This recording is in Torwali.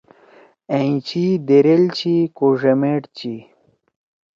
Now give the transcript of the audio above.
أئں چھی دیریل چھی کو ڙیمیٹ چھی